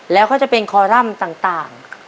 แล้วก็จะเป็นคอรัมป์ต่าง